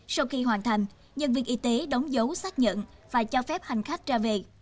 sau khi hoàn thành nhân viên y tế đóng dấu xác nhận và cho phép hành khách ra về